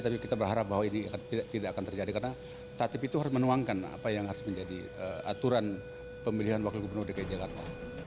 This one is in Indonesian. tapi kita berharap bahwa ini tidak akan terjadi karena tatip itu harus menuangkan apa yang harus menjadi aturan pemilihan wakil gubernur dki jakarta